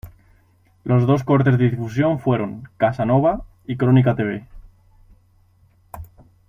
Los dos cortes de difusión fueron "Casanova" y "Crónica te ve".